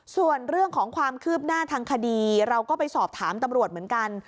ส่วนเรื่องของความคืบหน้าทางคดีเราก็ไปสอบถามตำรวจเหมือนกัน